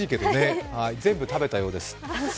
全部食べたようです。